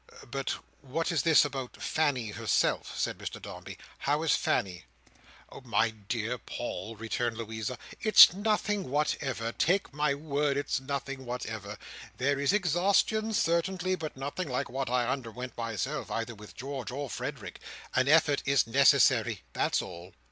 "But what is this about Fanny, herself?" said Mr Dombey. "How is Fanny?" "My dear Paul," returned Louisa, "it's nothing whatever. Take my word, it's nothing whatever. There is exhaustion, certainly, but nothing like what I underwent myself, either with George or Frederick. An effort is necessary. That's all.